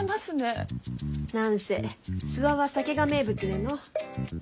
何せ諏訪は酒が名物での。